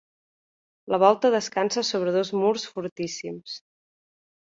La volta descansa sobre dos murs fortíssims.